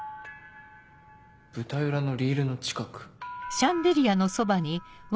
舞台裏のリールの近く。